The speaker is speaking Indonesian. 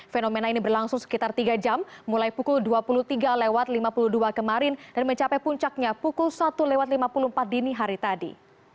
fenomena ini berlangsung sekitar tiga jam mulai pukul dua puluh tiga lima puluh dua kemarin dan mencapai puncaknya pukul satu lewat lima puluh empat dini hari tadi